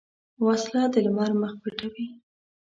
وسله د لمر مخ پټوي